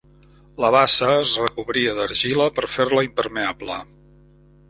La bassa es recobria d'argila per fer-la impermeable.